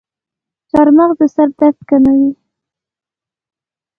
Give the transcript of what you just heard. چارمغز د سر درد کموي.